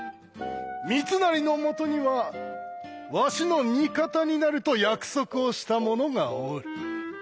三成のもとにはわしの味方になると約束をした者がおる。